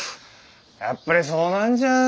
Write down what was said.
やっぱりそうなるじゃん。